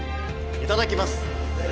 いただきます